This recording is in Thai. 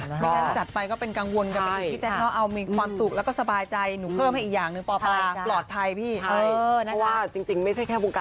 ไม่งั้นจัดไปก็เป็นกังวลกันไปอีกพี่แจ๊คเนอะเอามีความสุขแล้วก็สบายใจหนูเพิ่มให้อีกอย่างหนึ่งปลอดภัยพี่